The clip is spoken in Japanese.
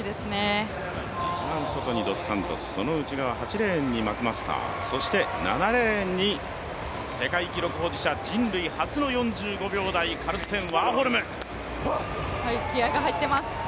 一番外側にドスサントス、その内側、８レーンにマクマスター、そして７レーンに世界記録保持者、人類初の４５秒台、気合いが入ってます。